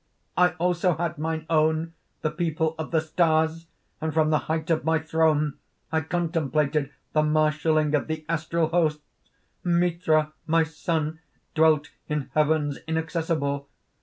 "I also had mine own, the people of the stars; and from the height of my throne I contemplated the marshalling of the astral hosts. "Mithra, my son, dwelt in heavens inaccessible.